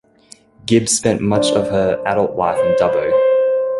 Gibbs spent much of her adult life in Dubbo.